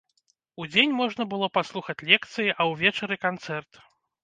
Удзень можна было паслухаць лекцыі, а ўвечары канцэрт.